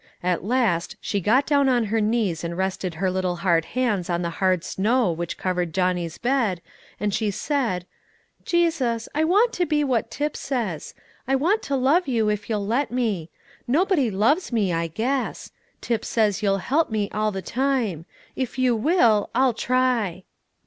At last she got down on her knees and rested her little hard hands on the hard snow which covered Johnny's bed, and she said, "Jesus, I want to be what Tip says. I want to love you if you'll let me. Nobody loves me, I guess. Tip says you'll help me all the time. If you will, I'll try."